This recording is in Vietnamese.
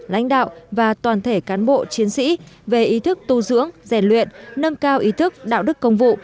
lãnh đạo và toàn thể cán bộ chiến sĩ về ý thức tu dưỡng rèn luyện nâng cao ý thức đạo đức công vụ